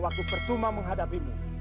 waktu percuma menghadapimu